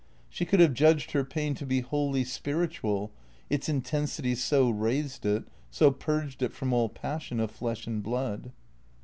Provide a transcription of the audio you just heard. She could have judged her pain to be wholly spiritual, its intensity so raised it, so purged it from all passion of flesh and blood.